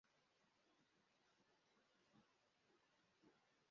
Niba urya ibiryo bitatu kumunsi, umubiri wawe uzabona imbaraga zikeneye.